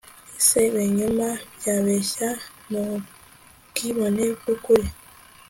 Ese ibinyoma byabeshya mubwibone bwukuri